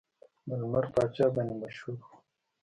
د لمر پاچا باندې مشهور و.